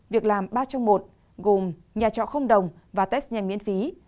việc làm ba trong một gồm nhà trọ không đồng và test nhanh miễn phí